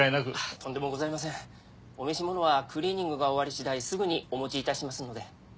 とんでもございませんお召し物はクリーニングが終わり次第すぐにお持ちいたしますので。